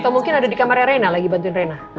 atau mungkin ada di kamarnya reina lagi bantuin rena